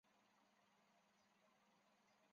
毛马齿苋是马齿苋科马齿苋属的植物。